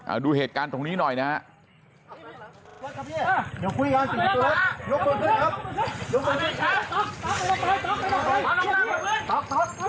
เอาดูเหตุการณ์ตรงนี้หน่อยนะฮะ